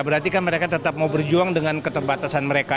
berarti kan mereka tetap mau berjuang dengan keterbatasan mereka